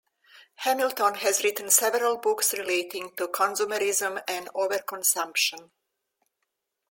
Hamilton has written several books relating to consumerism and overconsumption.